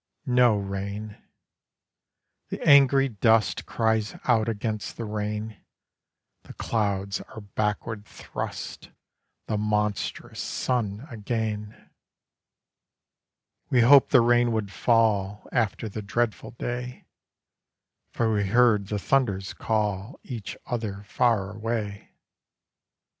No rain. The angry dust Cries out against the rain; The clouds are backward thrust; The monstrous Sun again. We hoped the rain would fall After the dreadful day, For we heard the thunders call Each other far away.